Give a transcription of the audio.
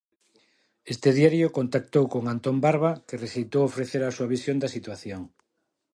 Este diario contactou con Antón Barba, que rexeitou ofrecer a súa visión da situación.